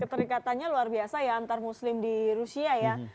perikatannya luar biasa ya antar muslim di rusia ya